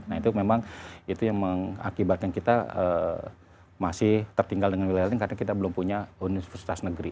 nah itu memang itu yang mengakibatkan kita masih tertinggal dengan wilayah lain karena kita belum punya universitas negeri